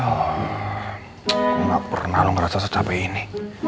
aku gak pernah lho ngerasa secapek ini